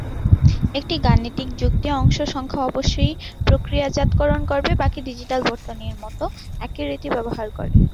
একটি গাণিতিক যুক্তি অংশ সংখ্যা অবশ্যই প্রক্রিয়াজাতকরণ করবে বাকি ডিজিটাল বর্তনীর মত একই রীতি ব্যবহার করে।